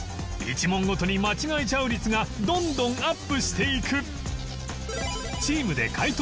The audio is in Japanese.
１問ごとに間違えちゃう率がどんどんアップしていく